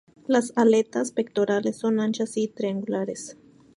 Las aletas pectorales son anchas y triangulares.